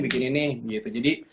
bikin ini gitu jadi